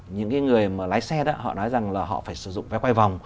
những người mà lái xe đó họ nói rằng là họ phải sử dụng vé quay vòng